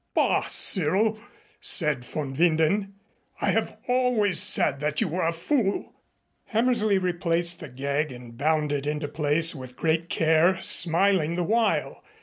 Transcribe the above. "Bah, Cyril," said von Winden. "I have always said that you were a fool." Hammersley replaced the gag and bound it into place with great care, smiling the while.